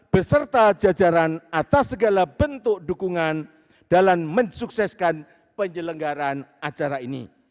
beserta jajaran atas segala bentuk dukungan dalam mensukseskan penyelenggaran acara ini